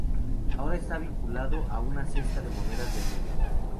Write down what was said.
Ahora está vinculado a una cesta de monedas del mundo.